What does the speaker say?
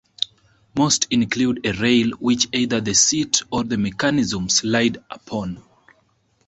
Most include a rail which either the seat or the mechanism slide upon.